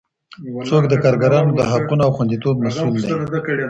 څوک د کارګرانو د حقونو او خوندیتوب مسوول دی؟